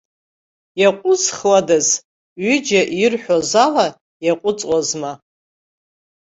Иаҟәызхуадаз, ҩыџьа ирҳәоз ала иаҟәыҵуазма.